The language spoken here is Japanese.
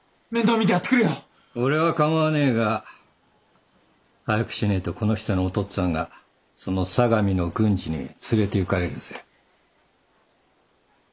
俺は構わねえが早くしねえとこの人のお父っつぁんがその相模の軍次に連れていかれるぜ。